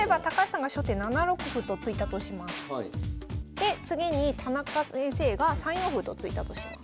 で次に田中先生が３四歩と突いたとします。